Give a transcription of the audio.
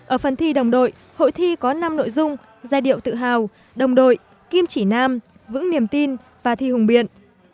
ở phần thi đồng đội hội thi có năm nội dung giai điệu tự hào đồng đội kim chỉ nam vững niềm tin và thi hùng biện